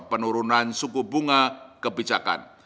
penurunan suku bunga kebijakan